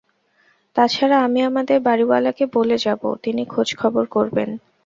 তা ছাড়া আমি আমাদের বাড়িওয়ালাকে বলে যাব, তিনি খোঁজ খবর করবেন।